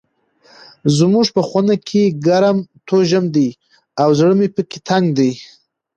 زموږ په خونه کې ګرم توژم ده او زړه مې پکي تنګ ده.